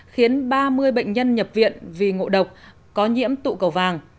khiến ba mươi bệnh nhân nhập viện vì ngộ độc có nhiễm tụ cầu vàng